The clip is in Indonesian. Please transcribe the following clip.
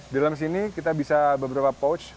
di dalam sini kita bisa beberapa pouch